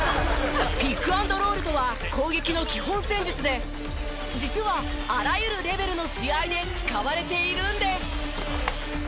ピックアンドロールとは攻撃の基本戦術で実はあらゆるレベルの試合で使われているんです。